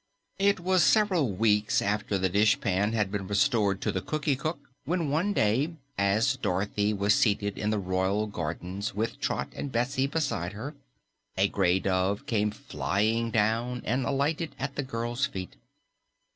It was several weeks after the dishpan had been restored to the Cookie Cook when one day, as Dorothy was seated in the royal gardens with Trot and Betsy beside her, a gray dove came flying down and alighted at the girl's feet.